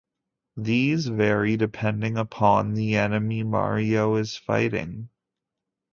These vary depending upon the enemy Mario is fighting.